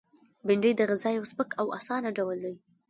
بېنډۍ د غذا یو سپک او آسانه ډول دی